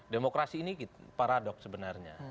demokrasi ini paradoks sebenarnya